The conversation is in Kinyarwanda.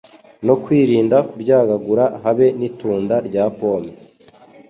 no kwirinda kuryagagura habe n’itunda rya pome